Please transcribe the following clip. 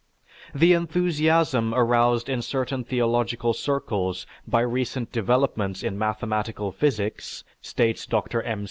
"The enthusiasm aroused in certain theological circles by recent developments in mathematical physics," states Dr. M.